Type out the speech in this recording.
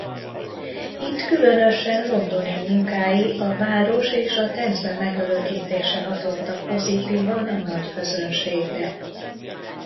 Itt különösen londoni munkái a város és a Temze megörökítése hatottak pozitívan a nagyközönségre.